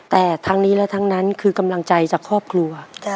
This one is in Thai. แต่ทั้งนี้และทั้งนั้นคือกำลังใจจากครอบครัว